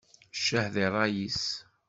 Ccah di ṛṛay-is!